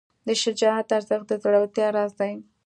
د شجاعت ارزښت د زړورتیا راز دی.